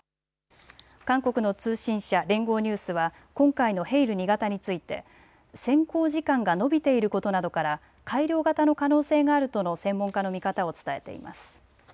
韓国の通信社、連合ニュースは今回のヘイル２型について潜航時間が延びていることなどから改良型の可能性があるとの専門家の見方を伝えています。